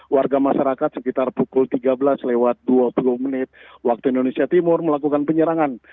warga masyarakat sekitar pukul tiga belas lewat dua puluh menit waktu indonesia timur melakukan penyerangan